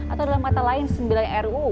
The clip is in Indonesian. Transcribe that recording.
atau dalam kata lain sembilan ruu